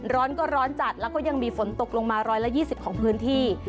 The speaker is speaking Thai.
ร้อนก็ร้อนจัดแล้วก็ยังมีฝนตกลงมา๑๒๐ของพื้นที่